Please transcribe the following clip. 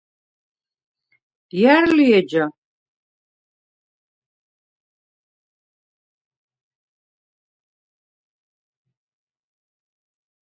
ჲა̈რ ლი ეჯა?